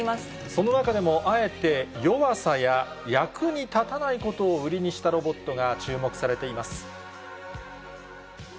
その中でも、あえて弱さや役に立たないことを売りにしたロボットが注目されています。